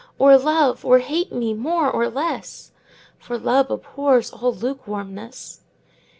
Or love or hate me more or less, 5 For love abhors all lukewarmness.